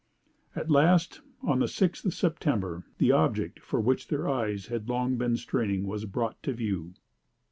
"At last, on the 6th of September, the object for which their eyes had long been straining was brought to view.